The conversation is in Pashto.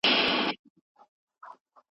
د ګوندونو سيالۍ تر پخوا زياتي سوي دي.